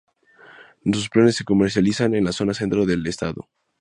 Nuestros panes se comercializan en la zona centro del Edo.